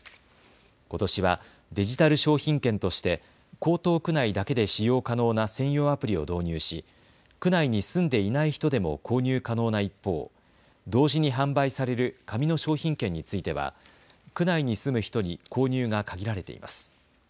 ことしはデジタル商品券として江東区内だけで使用可能な専用アプリを導入し区内に住んでいない人でも購入可能な一方、同時に販売される紙の商品券については区内に住む人に購入が限られています。